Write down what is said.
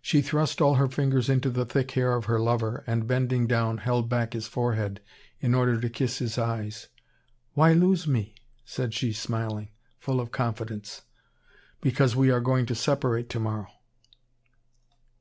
She thrust all her fingers into the thick hair of her lover, and, bending down, held back his forehead in order to kiss his eyes. "Why lose me?" said she, smiling, full of confidence. "Because we are going to separate to morrow."